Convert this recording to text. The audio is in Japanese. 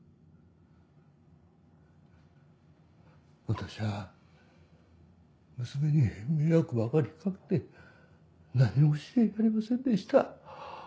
私は娘に迷惑ばかり掛けて何もしてやれませんでした。